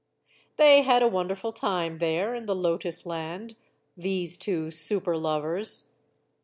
They had a wonderful time there, in the Lotus Land, these two super lovers.